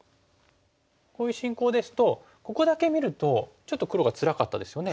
こういう進行ですとここだけ見るとちょっと黒がつらかったですよね。